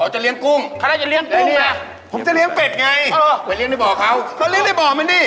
อ๋อจะเลี้ยงกุ้งแล้วนี่ล่ะผมจะเลี้ยงเป็ดไงไปเลี้ยงในบ่อเขาเค้าเลี้ยงในบ่อมันดิ